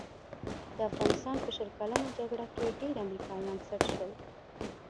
د افغانستان په شل کلنه جګړه کې ډېر امریکایان سټ شول.